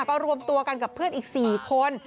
ก็รวมตัวกันกับเพื่อนอีก๔คน